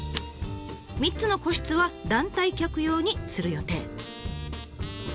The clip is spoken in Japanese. ３つの個室は団体客用にする予定。